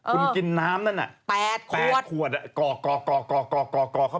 คุณกินน้ำนั้น๘ขวดกรอกเข้าไปแล้ว